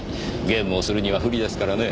ゲームをするには不利ですからね。